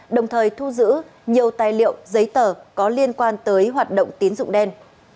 đồng thời thu giữ nhiều tài liệu giấy tờ có liên quan tới hoạt động tín dụng đen